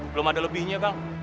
belum ada lebihnya bang